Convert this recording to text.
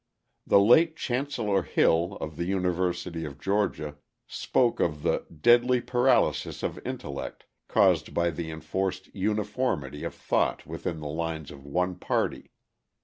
The late Chancellor Hill, of the University of Georgia, spoke of the "deadly paralysis of intellect caused by the enforced uniformity of thought within the lines of one party."